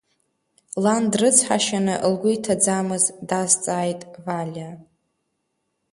Лан дрыцҳашьаны, лгәы иҭаӡамыз дазҵааит Валиа.